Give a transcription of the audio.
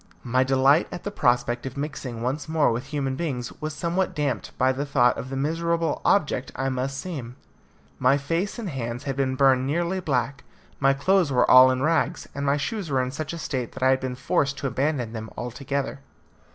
My delight at the prospect of mixing once more with human beings was somewhat damped at the thought of the miserable object I must seem. My face and hands had been burned nearly black; my clothes were all in rags, and my shoes were in such a state that I had been forced to abandon them altogether.